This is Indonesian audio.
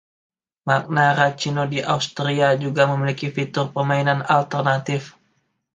Magna Racino di Austria juga memiliki fitur permainan alternatif.